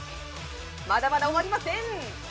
まだまだ終わりません。